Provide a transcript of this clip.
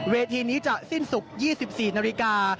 เวทีนี้จะสิ้นศุกร์๒๔นาฬิกา